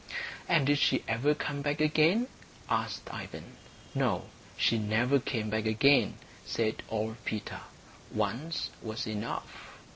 "And did she ever come back again?" asked Ivan. "No, she never came back again," said old Peter. "Once was enough."